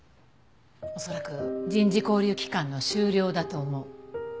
恐らく人事交流期間の終了だと思う。